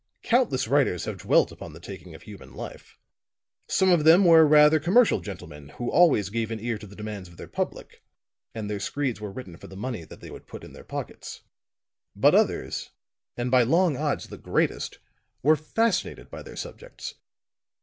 "Countless writers have dwelt upon the taking of human life; some of them were rather commercial gentlemen who always gave an ear to the demands of their public, and their screeds were written for the money that they would put in their pockets; but others, and by long odds the greatest, were fascinated by their subjects.